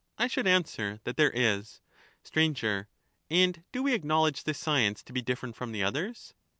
I should answer that there is. Str. And do we acknowledge this science to be different from the others